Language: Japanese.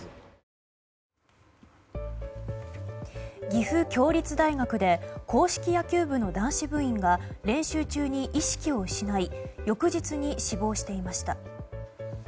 岐阜協立大学で硬式野球部の男子部員が練習中に意識を失い翌日に死亡していました。